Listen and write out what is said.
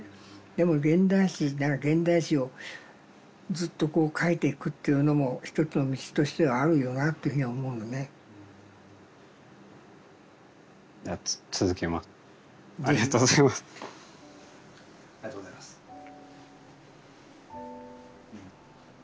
でも現代詩なら現代詩をずっとこう書いていくっていうのも一つの道としてはあるよなっていうふうには思うよねありがとうございますアハハ